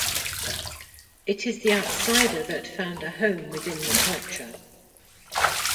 It is the outsider that found a home within the culture.